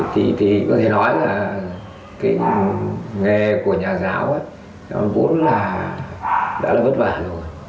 thì có thể nói là cái nghề của nhà giáo ấy vốn là đã là vất vả rồi